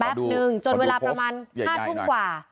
นึงจนเวลาประมาณ๕ทุ่มกว่า